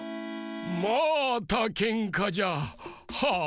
またけんかじゃ。はあ。